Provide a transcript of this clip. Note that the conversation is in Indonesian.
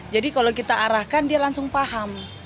jadi kalau kita arahkan dia langsung paham